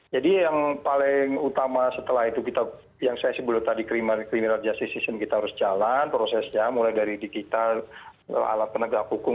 jadi yang paling utama setelah itu yang saya sebutkan tadi criminal justice season kita harus jalan prosesnya mulai dari digital alat penegak hukum kemudian diberikan